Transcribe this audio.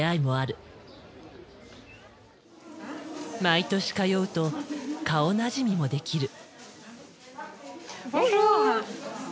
毎年通うと顔なじみもできる。